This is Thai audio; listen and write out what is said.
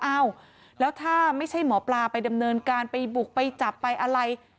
อ้าวแล้วถ้าไม่ใช่หมอปลาไปดำเนินการไปบุกไปจับไปอะไร